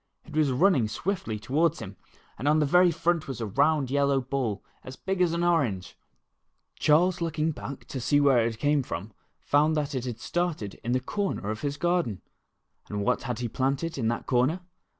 It was running swiftly toward him, and on the very front was a round yellow ball, about as big as an orange ! Charles looking back to see where it came from, found that it started in the corner of his garden. And what had he planted in that corner